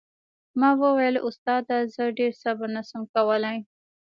ما وويل استاده زه ډېر صبر نه سم کولاى.